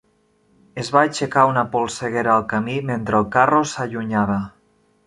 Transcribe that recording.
Es va aixecar una polseguera al camí mentre el carro s'allunyava.